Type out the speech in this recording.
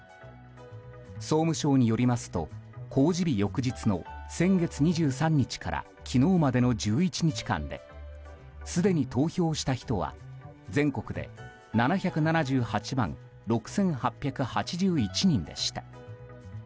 総務省によりますと公示日翌日の先月２３日から昨日までの１１日間ですでに投票をした人は、全国で７７８万６８８１人でした。